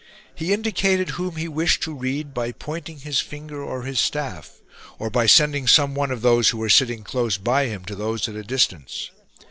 He indicated whom he wished to read by pointing his finger or his staff, or by sending some one of those who were sitting close by him to those at a distance.